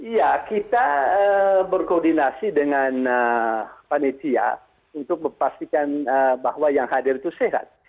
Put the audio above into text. ya kita berkoordinasi dengan panitia untuk memastikan bahwa yang hadir itu sehat